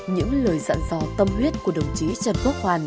những lời dặn dò tâm huyết của đồng chí trần quốc hoàn